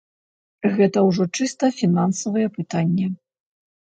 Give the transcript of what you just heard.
Гэта ўжо чыста фінансавае пытанне.